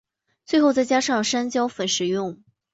最后再加上山椒粉食用。